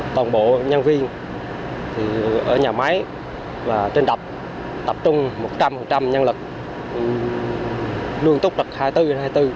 toàn bộ nhân viên ở nhà máy và trên đập tập trung một trăm linh